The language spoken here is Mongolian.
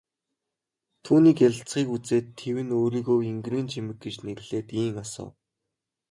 Түүний гялалзахыг үзээд тэвнэ өөрийгөө энгэрийн чимэг гэж нэрлээд ийн асуув.